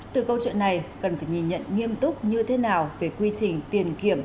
từ câu chuyện này cần phải nhìn nhận nghiêm túc như thế nào về quy trình tiền kiểm